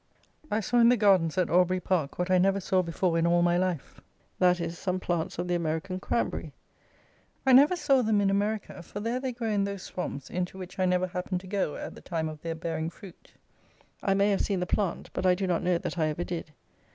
I saw, in the gardens at Albury Park, what I never saw before in all my life; that is, some plants of the American Cranberry. I never saw them in America; for there they grow in those swamps, into which I never happened to go at the time of their bearing fruit. I may have seen the plant, but I do not know that I ever did.